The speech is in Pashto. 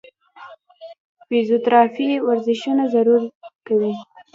فزيوتراپي ورزشونه ضرور کوي -